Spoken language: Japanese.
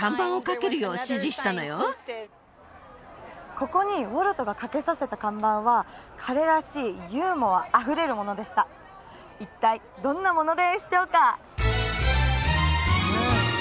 ここにウォルトがかけさせた看板は彼らしいユーモアあふれるものでした一体どんなものでしょうか？